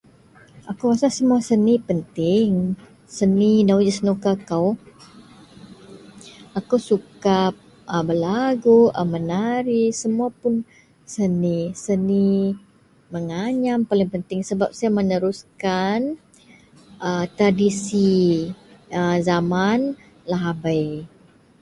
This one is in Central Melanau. Akou rasa semua seni penting. Seni inou ji senukakou, akou suka a belagu, a menari semua pun seni. Seni mengancam paling penting sebab siyen meneruskan tradisi zaman lahabei